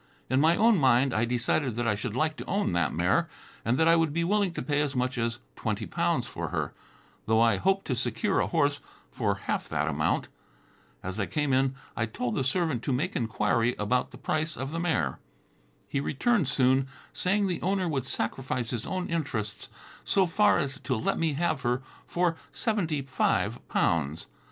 In my own mind, I decided that I should like to own that mare, and that I would be willing to pay as much as twenty pounds for her, though I hoped to secure a horse for half that amount. As I came in I told the servant to make inquiry about the price of the mare. He returned soon, saying the owner would sacrifice his own interests so far as to let me have her for seventy five pounds.